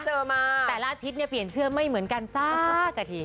มาแต่ละอาทิตย์เนี่ยเปลี่ยนเสื้อไม่เหมือนกันสัก๕นาที